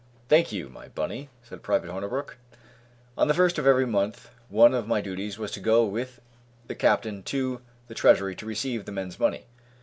"Thank you, my bunny," said Private Hornabrook. On the first of every month one of my duties was to go with the captain to the Treasury to receive the men's money.